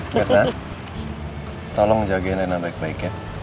berna tolong jagain rena baik baik ya